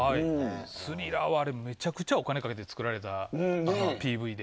「スリラー」はめちゃくちゃお金かけて作られたＰＶで。